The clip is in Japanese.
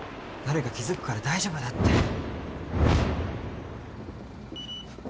誰か気付くから大丈夫だって。